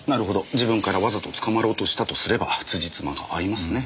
自分からわざと捕まろうとしたとすればつじつまが合いますね。